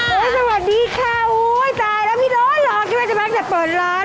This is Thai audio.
อุ๊ยสวัสดีค่าโอ๊ยตายแล้วมีร้อนเหรอเค้ยทำไมแบบน่ะจะเปิดร้อน